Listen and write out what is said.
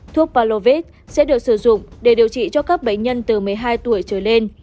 thuốc palovit sẽ được sử dụng để điều trị cho các bệnh nhân từ một mươi hai tuổi trở lên